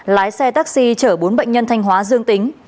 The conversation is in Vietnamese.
lái xe taxi chở bốn bệnh nhân thanh hóa dương tính